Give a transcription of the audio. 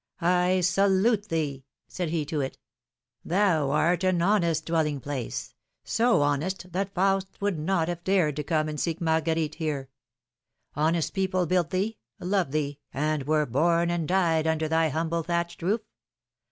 salute thee!'^ said he to it; ^^thou art an honest dwelling place — so honest that Faust would not have dared to come and seek Marguerite here. Honest people built thee, loved thee, and were born and died under thy humble thatched roof!